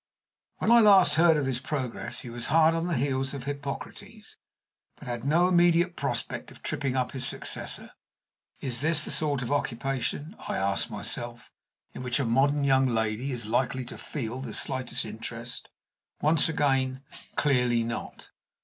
When I last heard of his progress he was hard on the heels of Hippocrates, but had no immediate prospect of tripping up his successor, Is this the sort of occupation (I ask myself) in which a modern young lady is likely to feel the slightest interest? Once again, clearly not.